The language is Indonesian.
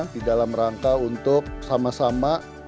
di dalam rangka untuk sama sama melakukan upaya